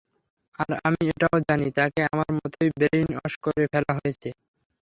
আর আমি এটাও জানি, তাকে আমার মতই ব্রেইনওয়াশ করে ফেলা হয়েছে।